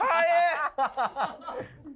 アハハハ。